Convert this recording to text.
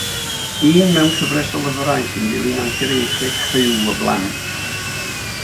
Un mewn cyfres o lyfrau sy'n dilyn anturiaethau criw o blant.